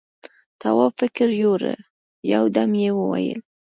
تواب فکر يووړ، يو دم يې وويل: